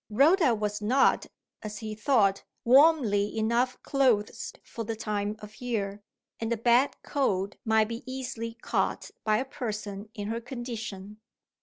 Rhoda was not, as he thought, warmly enough clothed for the time of year; and a bad cold might be easily caught by a person in her condition.